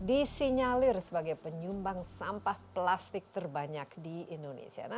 disinyalir sebagai penyumbang sampah plastik terbanyak di indonesia